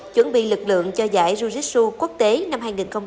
chuẩn bị lực lượng cho giải jiu jitsu quốc tế năm hai nghìn hai mươi bốn